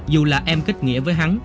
dù là em kết nghĩa với hắn